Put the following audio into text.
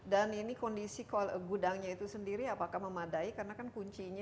dan ini kondisi gudangnya itu sendiri apakah memadai karena kan kuncinya